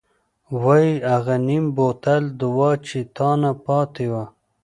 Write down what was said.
وۍ اغه نيم بوتل دوا چې تانه پاتې وه.